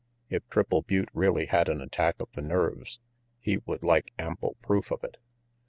If Triple Butte really had an attack of the nerves, he would like ample proof of it.